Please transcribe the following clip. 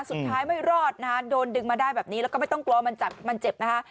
สุดท้ายไม่รอดนะฮะโดนดึงมาได้แบบนี้แล้วก็ไม่ต้องกลัวมันเจ็บนะคะ